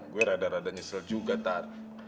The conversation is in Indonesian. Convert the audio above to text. gue rada rada nyesel juga tar